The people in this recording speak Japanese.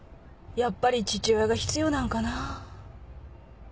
やっぱり父親が必要なんかなぁ。